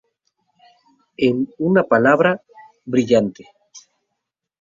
En una palabra: brillante".